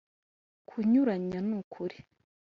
kunyuranya n’ ukuri